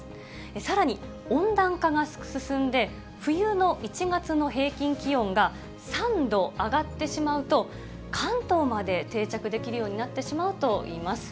さらに、温暖化が進んで、冬の１月の平均気温が３度上がってしまうと、関東まで定着できるようになってしまうといいます。